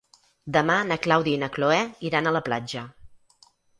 Demà na Clàudia i na Cloè iran a la platja.